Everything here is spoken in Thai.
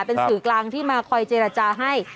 เป็นสื่อกลางที่มาคอยเจรจาให้